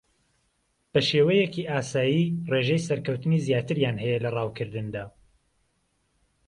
بە شێوەیەکی ئاسایی ڕێژەی سەرکەوتنی زیاتریان ھەیە لە ڕاوکردندا